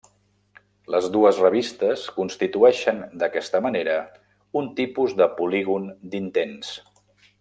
Les dues revistes constitueixen d'aquesta manera un tipus de polígon d'intents.